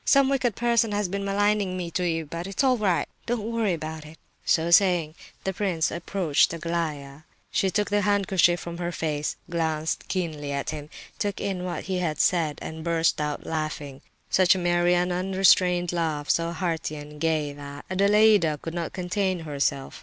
Some wicked person has been maligning me to you; but it's all right. Don't worry about it." So saying, the prince approached Aglaya. She took the handkerchief from her face, glanced keenly at him, took in what he had said, and burst out laughing—such a merry, unrestrained laugh, so hearty and gay, that Adelaida could not contain herself.